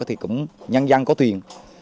thì cũng nhanh nhanh có tuyển